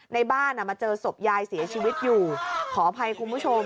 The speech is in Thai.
ในบ้านมาเจอศพยายเสียชีวิตอยู่ขออภัยคุณผู้ชม